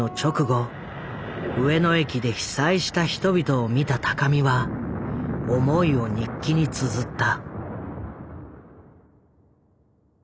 上野駅で被災した人々を見た高見は思いを日記につづった。